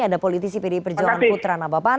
ada politisi pdi perjuangan putra nababan